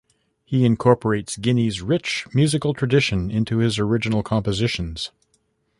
He incorporates Guinea's rich musical tradition into his original compositions.